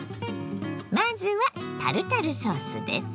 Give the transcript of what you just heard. まずはタルタルソースです。